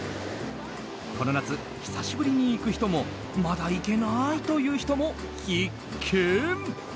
この夏、久しぶりに行く人もまだ行けないという人も必見。